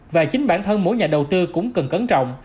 và chính bản thân mỗi nhà đầu tư cũng cần cẩn trọng